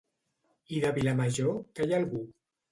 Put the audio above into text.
I de Vilamajor, que hi ha algú?